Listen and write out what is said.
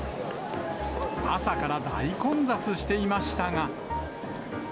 朝から大混雑していましたが。